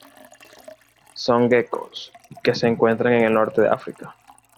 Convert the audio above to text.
Son geckos que se encuentran en el norte de África.